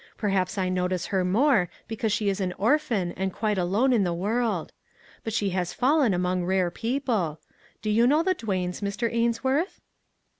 Perhaps I notice her more because she is an orphan and quite alone in the world. But she has fallen among rare people. Do you know the Duanes, Mr. Ainsworth